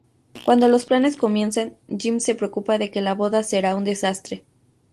Cuando los planes comienzan, Jim se preocupa de que la boda será un desastre.